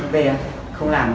về không làm